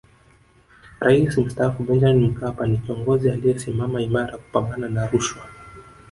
Rais Mstaafu Benjamin Mkapa ni kiongozi aliyesimama imara kupambana na rushwa